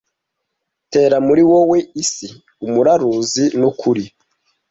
Tera muri wewe, isi, umururazi nukuri,